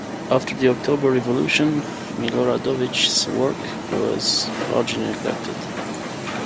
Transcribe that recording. After the October Revolution, Miloradovich's work was largely neglected.